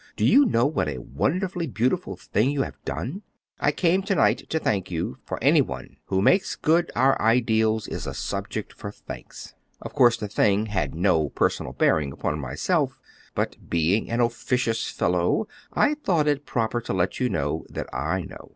Do you know what a wonderfully beautiful thing you have done? I came to night to thank you; for any one who makes good our ideals is a subject for thanks. Of course, the thing had no personal bearing upon myself; but being an officious fellow, I thought it proper to let you know that I know.